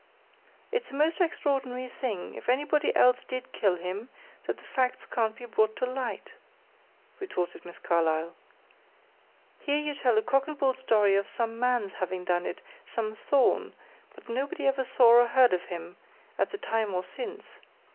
"It's a most extraordinary thing, if anybody else did kill him, that the facts can't be brought to light," retorted Miss Carlyle. "Here you tell a cock and bull story of some man's having done it, some Thorn; but nobody ever saw or heard of him, at the time or since.